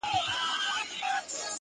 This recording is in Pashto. ميئن د كلي پر انجونو يمه!!